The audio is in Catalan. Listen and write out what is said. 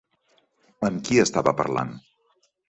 Amb qui estava parlant?